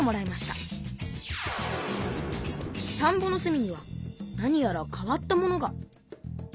たんぼのすみにはなにやら変わったものが。